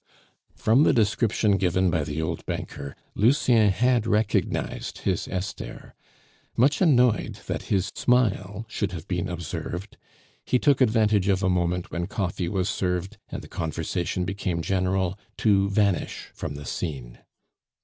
From the description given by the old banker, Lucien had recognized his Esther. Much annoyed that his smile should have been observed, he took advantage of a moment when coffee was served, and the conversation became general, to vanish from the scene.